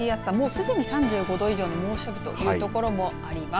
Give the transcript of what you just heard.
すでに３５度以上の猛暑日というところもあります。